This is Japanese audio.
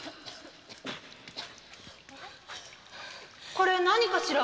これ何かしら？